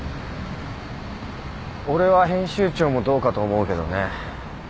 俺は編集長もどうかと思うけどね。